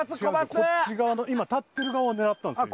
こっち側の今立ってる側を狙ったんですよ